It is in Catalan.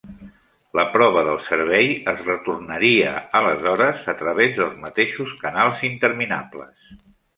La prova del servei es retornaria aleshores a través dels mateixos canals interminables.